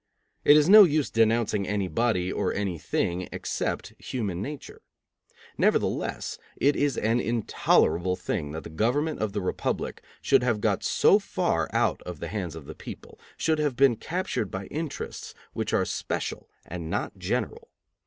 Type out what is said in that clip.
It is no use denouncing anybody, or anything, except human nature. Nevertheless, it is an intolerable thing that the government of the republic should have got so far out of the hands of the people; should have been captured by interests which are special and not general.